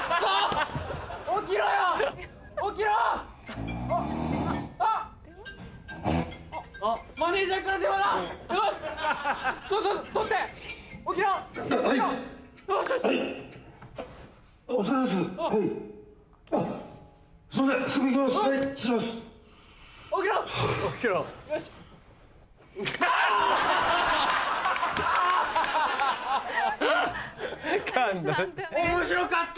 あぁ！面白かった！